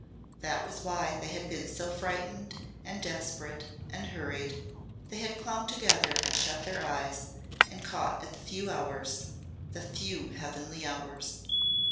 That was why they had been so frightened and desperate and hurried. They had clung together and shut their eyes and caught at the few hours the few heavenly hours.